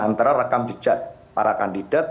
antara rekam jejak para kandidat